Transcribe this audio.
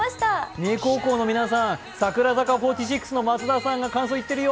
三重高校の皆さん、櫻坂４６の松田さんが感想を言ってるよ。